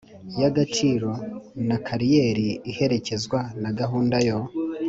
y agaciro na kariyeri iherekezwa na gahunda yo